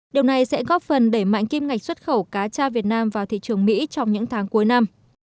điều này sẽ góp phần đẩy mạnh kim ngạch xuất khẩu cá tra việt nam vào thị trường mỹ trong những tháng cuối năm